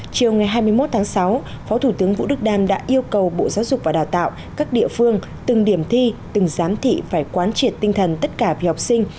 chiều ngày hai mươi một tháng sáu phó thủ tướng vũ đức đam đã yêu cầu bộ giáo dục và đào tạo các địa phương từng điểm thi từng giám thị phải quán triệt tinh thần tất cả vì học sinh